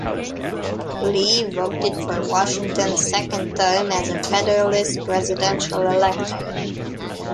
Lee voted for Washington's second term as a Federalist presidential elector.